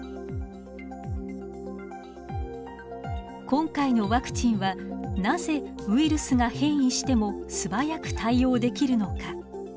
今回のワクチンはなぜウイルスが変異しても素早く対応できるのか。